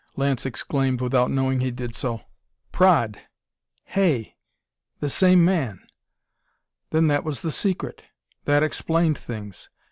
Lance exclaimed without knowing he did so. Praed Hay! The same man! Then that was the secret; that explained things!